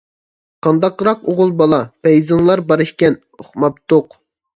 قانداقراق ئوغۇل بالا، پەيزىڭلار بار ئىكەن، ئۇقماپتۇق.